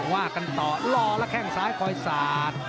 ว่ากันต่อรอแล้วแข้งซ้ายคอยสาด